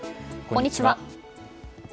こんにちは。